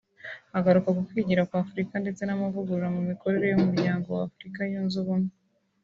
Agaruka ku kwigira kw’Afurika ndetse n’amavugurura mu mikorere y’umuryango w’Afurika yunze ubumwe